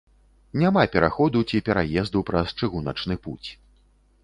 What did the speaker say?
Няма пераходу ці пераезду праз чыгуначны пуць.